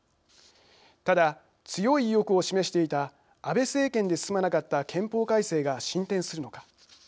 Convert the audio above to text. ただ強い意欲を示していた安倍政権で進まなかった憲法改正が進展するのか。